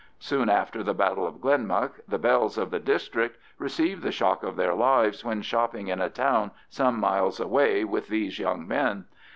Soon after the battle of Glenmuck the belles of the district received the shock of their lives when shopping in a town some miles away with these young men.